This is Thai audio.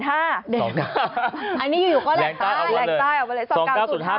อันนี้ก็แหลกใต้